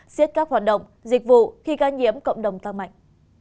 xiết các hoạt động dịch vụ khi ca nhiễm cộng đồng tăng mạnh